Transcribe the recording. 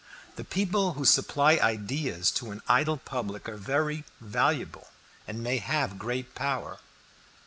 The people who supply ideas to an idle public are very valuable, and may have great power."